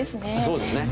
そうですね。